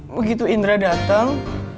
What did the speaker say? begitu indri dateng